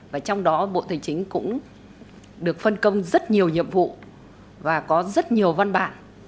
và trong đó bộ tài chính cũng được phân công rất nhiều nhiệm vụ và có rất nhiều văn bản